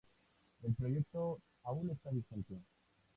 El proyecto aún está vigente.